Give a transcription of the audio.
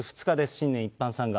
新年一般参賀。